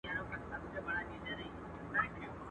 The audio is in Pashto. زوړ يار، ځين کړی آس دئ.